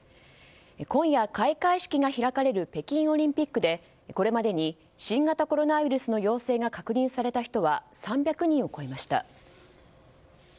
今夜、開会式が開かれる北京オリンピックでこれまでに新型コロナウイルスの陽性が確認された人は３００人を超えました。